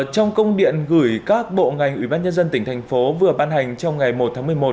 trong công điện gửi các bộ ngành ủy ban nhân dân tỉnh thành phố vừa ban hành trong ngày một tháng một mươi một